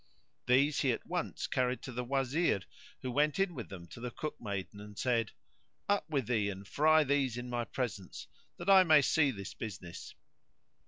These he at once carried to the Wazir, who went in with them to the cook maiden and said, "Up with thee and fry these in my presence, that I may see this business."